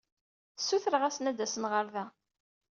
Ssutreɣ-asen ad d-asen ɣer da.